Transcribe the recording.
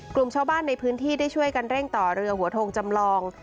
กลุ่มชาวบ้านในพื้นที่ได้ช่วยกันเร่งต่อเรือหัวทงจำลอง